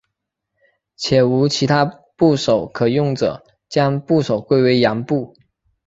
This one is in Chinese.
且无其他部首可用者将部首归为羊部。